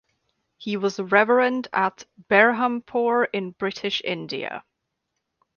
He was reverend at Berhampore in British India.